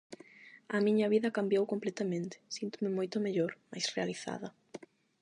A miña vida cambiou completamente, síntome moito mellor, máis realizada.